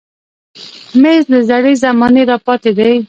مېز له زړې زمانې راپاتې دی.